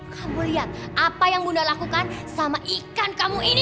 kamu lihat apa yang bunda lakukan sama ikan kamu ini